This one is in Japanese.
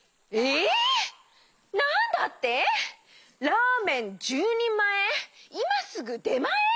ラーメン１０にんまえいますぐでまえ！？